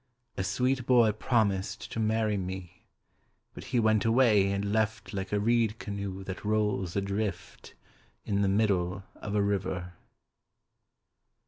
A sweet boy promised to marry me, But he went away and left Like a reed canoe that rolls adrift In the middle of a river.